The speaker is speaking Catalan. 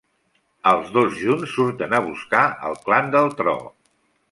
Els dos junts surten a buscar el clan del tro.